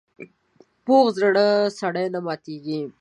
پوخ زړه سړي نه ماتېږي